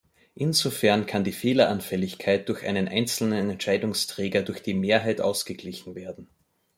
Insofern kann die Fehleranfälligkeit durch einen einzelnen Entscheidungsträger durch die Mehrheit ausgeglichen werden.